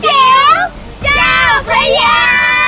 เจ้าพระยาสู้ไว้ช้อยฮ่า